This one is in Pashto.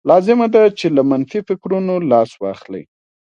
لازمه ده چې له منفي فکرونو لاس واخلئ